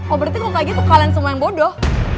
oh berarti kalau gak gitu kalian semua yang bodoh